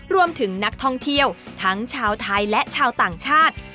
รวมถึงนักท่องเที่ยวทั้งชาวไทยและชาวต่างชาติ